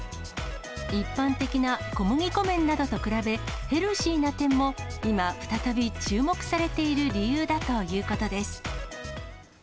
一般的な小麦粉麺などと比べ、ヘルシーな点も、今、再び注目されている理由だということです。